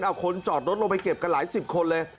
เอาคนจอดรถลงไปเก็บกันหลายสิบคนเลย